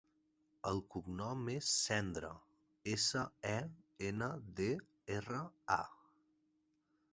El cognom és Sendra: essa, e, ena, de, erra, a.